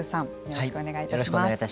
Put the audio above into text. よろしくお願いします。